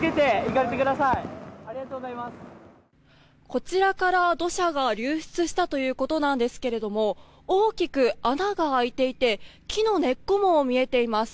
こちらから土砂が流出したということなんですが大きく穴が開いていて木の根っこも見えています。